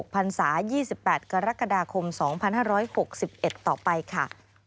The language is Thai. พันศา๒๘กรกฎาคม๒๕๖๑ต่อไปค่ะ